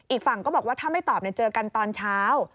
อีกฝั่งก็บอกว่าถ้าไม่ตอบเจอกันตอนเช้า